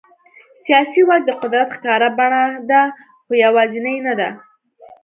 سیاسي واک د قدرت ښکاره بڼه ده، خو یوازینی نه دی.